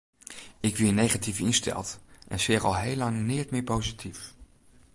Ik wie negatyf ynsteld en seach al heel lang neat mear posityf.